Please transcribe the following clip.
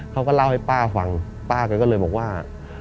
เขาก็เล่าให้ป้าฟังป้าแกก็เลยบอกว่า